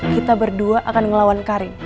kita berdua akan ngelawan karin